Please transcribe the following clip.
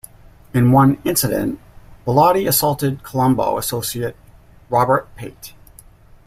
In one incident, Bilotti assaulted Colombo associate Robert Pate.